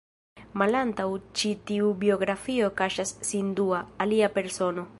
Malantaŭ ĉi-tiu biografio kaŝas sin dua, alia persono.